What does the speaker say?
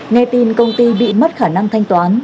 nghe tin công ty bị mất khả năng thanh toán